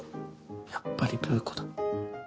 やっぱりブー子だ。